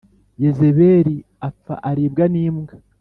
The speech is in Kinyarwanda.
Yezebeli apfa aribwa n’imbwa